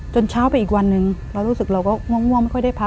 เช้าไปอีกวันหนึ่งเรารู้สึกเราก็ง่วงไม่ค่อยได้พัก